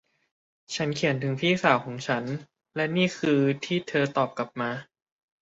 ฉันเขียนถึงพี่สาวของฉัน และนี่คือที่เธอตอบกลับมา